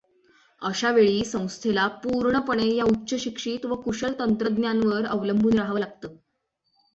अशा वेळी संस्थेला पूर्णपणे या उच्चशिक्षित व कुशल तंत्रज्ञांवर अवलंबून राहावं लागतं.